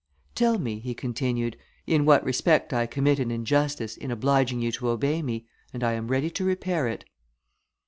"Tell me," he continued, "in what respect I commit an injustice, in obliging you to obey me, and I am ready to repair it."